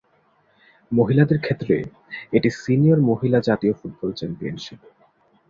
মহিলাদের ক্ষেত্রে এটি সিনিয়র মহিলা জাতীয় ফুটবল চ্যাম্পিয়নশিপ।